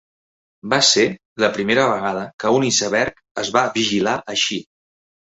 Va ser la primera vegada que un iceberg es va vigilar així.